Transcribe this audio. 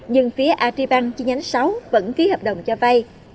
nhưng phía adribank chi nhánh sáu vẫn ký hợp đồng cho vây